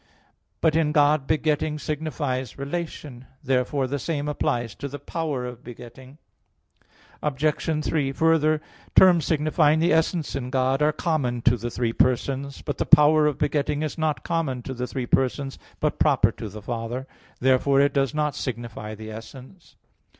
But in God, begetting signifies relation. Therefore, the same applies to the power of begetting. Obj. 3: Further, terms signifying the essence in God, are common to the three persons. But the power of begetting is not common to the three persons, but proper to the Father. Therefore it does not signify the essence.